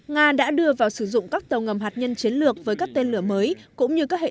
nga đã đưa vào sử dụng các tàu ngầm hạt nhân chiến lược với các tên lửa mới